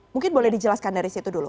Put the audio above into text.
mungkin boleh dijelaskan dari situ dulu